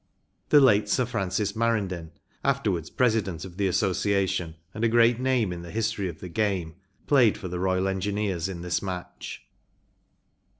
The late Sir Francis Marindin, afterwards president of the Association and a great name in the history of the game, played for the Royal Engineers in this match.